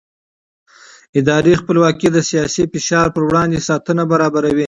اداري خپلواکي د سیاسي فشار پر وړاندې ساتنه برابروي